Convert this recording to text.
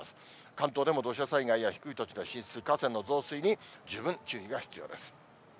関東でも土砂災害や低い土地の浸水、河川の増水に十分注意が必要です。